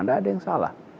nggak ada yang salah